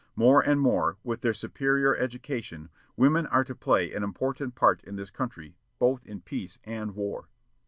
More and more, with their superior education, women are to play an important part in this country, both in peace and war.